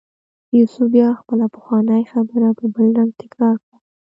یوسف بیا خپله پخوانۍ خبره په بل رنګ تکرار کړه.